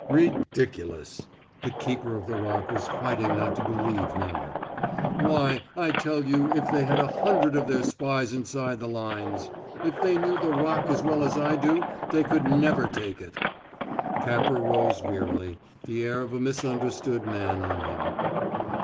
"Ridiculous!" The keeper of the Rock was fighting not to believe now. "Why, I tell you if they had a hundred of their spies inside the lines if they knew the Rock as well as I do they could never take it." Capper rose wearily, the air of a misunderstood man on him.